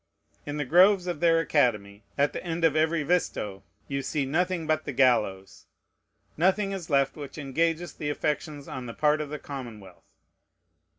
In the groves of their academy, at the end of every visto, you see nothing but the gallows. Nothing is left which engages the affections on the part of the commonwealth.